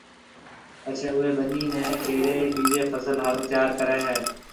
پڇيَ اُوئي ٻنِي نَي کيڙيَ ٻِيجي فصل هارون تيار ڪريَ هيَ۔